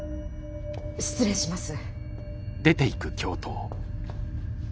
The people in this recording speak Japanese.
失礼します。